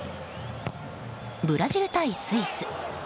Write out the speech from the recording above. ブラジル対スイス。